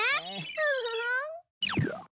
フンフフン。